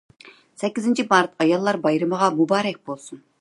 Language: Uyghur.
«سەككىزىنچى مارت» ئاياللار بايرىمىغا مۇبارەك بولسۇن.